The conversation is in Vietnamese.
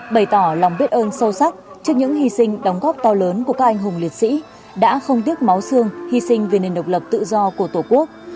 bày tỏ lòng biết ơn sâu sắc trước những hy sinh đóng góp to lớn của các anh hùng liệt sĩ đã không tiếc máu xương hy sinh về nền độc lập tự do của tổ quốc